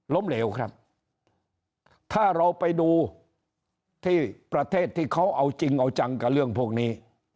เหลวครับถ้าเราไปดูที่ประเทศที่เขาเอาจริงเอาจังกับเรื่องพวกนี้